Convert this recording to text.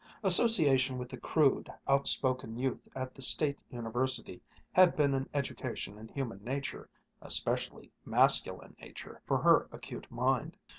Association with the crude, outspoken youth at the State University had been an education in human nature, especially masculine nature, for her acute mind.